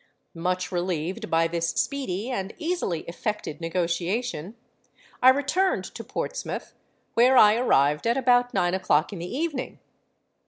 "Much relieved by this speedy and easily effected negotiation, I returned to Portsmouth, where I arrived at about nine o'clock in the evening.